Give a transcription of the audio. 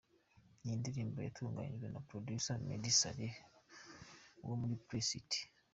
Iyi ndirimbo yatunganyijwe na Producer Meddy Saleh wo muri Press It.